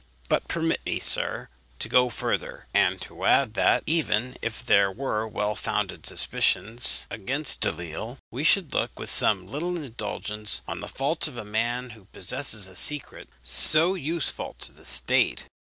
But permit me, sir, to go further, and to add that, even if there were well founded suspicions against Delisle, we should look with some little indulgence on the faults of a man who possesses a secret so useful to the state.